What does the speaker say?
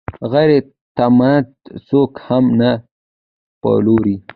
غیرتمند څوک هم نه پلوري